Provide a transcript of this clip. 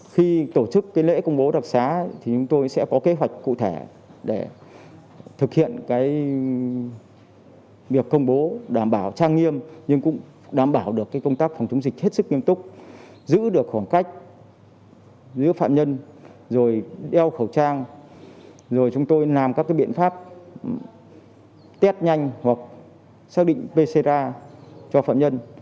khi tổ chức lễ công bố đặc sá chúng tôi sẽ có kế hoạch cụ thể để thực hiện việc công bố đảm bảo trang nghiêm nhưng cũng đảm bảo công tác phòng chống dịch hết sức nghiêm túc giữ được khoảng cách giữa phạm nhân rồi đeo khẩu trang rồi chúng tôi làm các biện pháp test nhanh hoặc xác định pcr cho phạm nhân